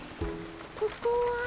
ここは。